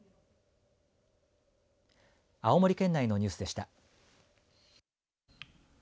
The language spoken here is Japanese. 青森県内のニュースでした。